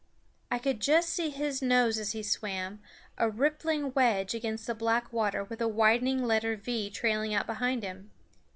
I could just see his nose as he swam, a rippling wedge against the black water with a widening letter V trailing out behind him.